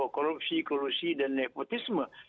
korupsi korusi dan nepotisme